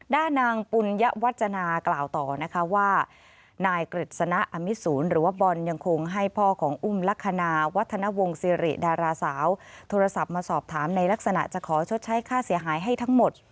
ด้านนางปุญยวัจจนากล่าวต่อนะคะว่านายกฤษณะอมิสูรหรือว่าบอลยังคงให้พ่อของอุ้มลักษณะวัฒนวงศิริดาราสาวโทรศัพท์มาสอบถามในลักษณะจะขอชดใช้ค่าเสียหายให้ทั้งหมด